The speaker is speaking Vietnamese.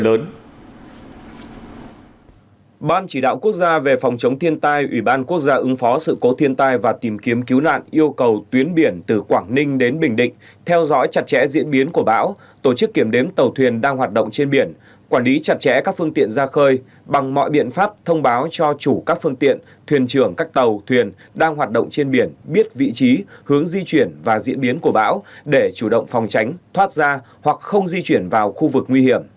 trước diễn biến của bão số năm ban chỉ đạo quốc gia về phòng chống thiên tai ủy ban quốc gia ứng phó sự cố thiên tai và tìm kiếm cứu nạn yêu cầu tuyến biển từ quảng ninh đến bình định theo dõi chặt chẽ diễn biến của bão tổ chức kiểm đếm tàu thuyền đang hoạt động trên biển quản lý chặt chẽ các phương tiện ra khơi bằng mọi biện pháp thông báo cho chủ các phương tiện thuyền trưởng các tàu thuyền đang hoạt động trên biển biết vị trí hướng di chuyển và diễn biến của bão để chủ động phòng tránh thoát ra hoặc không di chuyển vào khu vực n